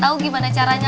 tau gimana caranya